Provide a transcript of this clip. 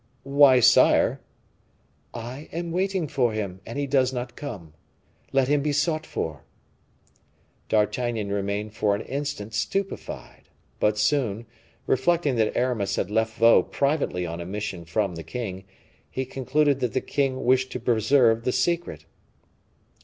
"Why, sire " "I am waiting for him, and he does not come. Let him be sought for." D'Artagnan remained for an instant stupefied; but soon, reflecting that Aramis had left Vaux privately on a mission from the king, he concluded that the king wished to preserve the secret.